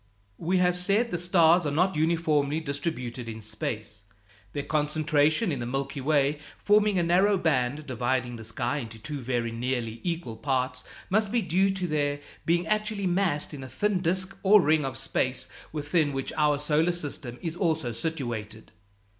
We have said the stars are not uniformly distributed in space. Their concentration in the Milky Way, forming a narrow band dividing the sky into two very nearly equal parts, must be due to their being actually massed in a thin disk or ring of space within which our solar system is also situated.